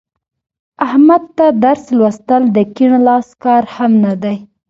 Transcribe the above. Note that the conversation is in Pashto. احمد ته درس لوستل د کیڼ لاس کار هم نه دی.